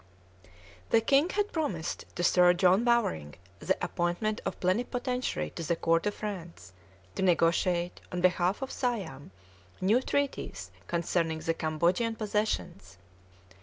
The king had promised to Sir John Bowring the appointment of Plenipotentiary to the Court of France, to negotiate, on behalf of Siam, new treaties concerning the Cambodian possessions.